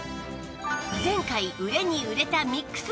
前回売れに売れたミックス